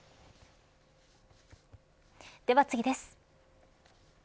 では次です。